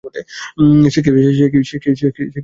সে কি সুদর্শন?